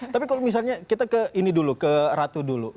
tapi kalau misalnya kita ke ini dulu ke ratu dulu